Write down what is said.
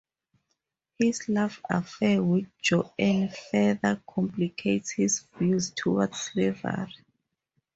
His love affair with Joanna further complicates his views toward slavery.